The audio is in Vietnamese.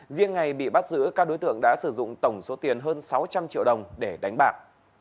riêng ngày bị bắt giữ các đối tượng đã sử dụng tổng số tiền hơn sáu trăm linh triệu đồng để đánh bạc